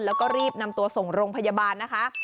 แล้วก็รีบนำตัวส่งโรงพยาบาลนะคะ